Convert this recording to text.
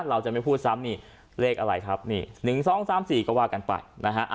เราจะไม่พูดซ้ำนี่เลขอะไรครับนี่หนึ่งสองสามสี่ก็ว่ากันไปนะฮะ